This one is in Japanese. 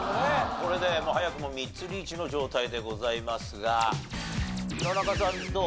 これで早くも３つリーチの状態でございますが弘中さんどう？